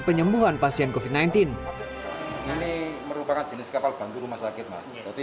penyembuhan pasien covid sembilan belas ini merupakan jenis kapal bantu rumah sakit mas tapi